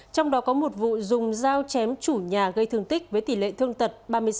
trong đó có một vụ dùng dao chém chủ nhà gây thương tích với tỷ lệ thương tật ba mươi sáu